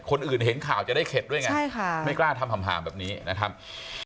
คนอื่นเห็นข่าวจะได้เข็ดด้วยไงใช่ค่ะไม่กล้าทำห่างแบบนี้นะครับ